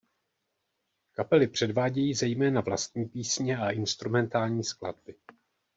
Kapely předvádějí zejména vlastní písně a instrumentální skladby.